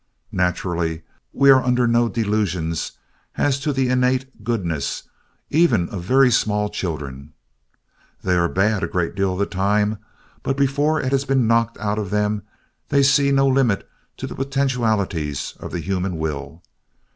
Naturally, we are under no delusions as to the innate goodness even of very small children. They are bad a great deal of the time, but before it has been knocked out of them they see no limit to the potentialities of the human will.